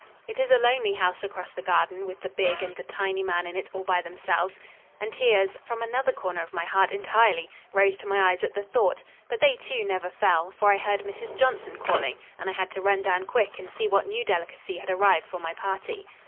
It is a lonely house across the garden with the big and the tiny man in it all by themselves! And tears, from another corner of my heart entirely, rose to my eyes at the thought, but they, too, never fell, for I heard Mrs. Johnson calling, and I had to run down quick and see what new delicacy had arrived for my party.